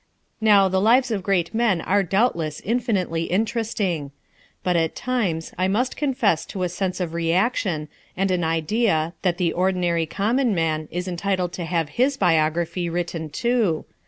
Now the lives of great men are doubtless infinitely interesting. But at times I must confess to a sense of reaction and an idea that the ordinary common man is entitled to have his biography written too.